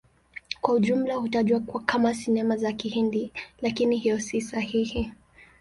Kwa ujumla hutajwa kama Sinema za Kihindi, lakini hiyo si sahihi.